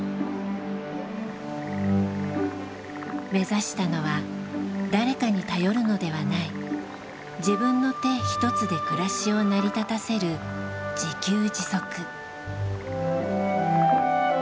目指したのは誰かに頼るのではない自分の手ひとつで暮らしを成り立たせる自給自足。